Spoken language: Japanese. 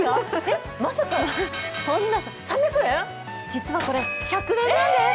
実はこれ１００円なんです。